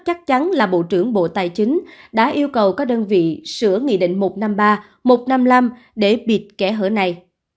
chắc chắn là bộ trưởng bộ tài chính đã yêu cầu các đơn vị sửa nghị định một trăm năm mươi ba một trăm năm mươi năm để bịt kẻ hở này